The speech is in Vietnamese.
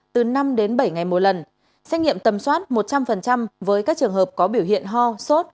từ năm đến bảy ngày một lần xét nghiệm tầm soát một trăm linh với các trường hợp có biểu hiện ho sốt